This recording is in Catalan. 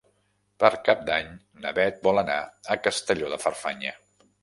Per Cap d'Any na Beth vol anar a Castelló de Farfanya.